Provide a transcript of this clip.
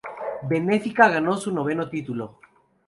Benfica ganó su noveno título.